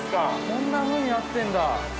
そんなふうになってんだ。